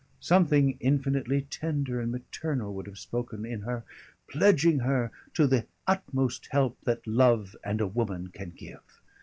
Something infinitely tender and maternal would have spoken in her, pledging her to the utmost help that love and a woman can give.